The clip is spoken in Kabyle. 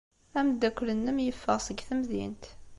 Ameddakel-nnem yeffeɣ seg temdint.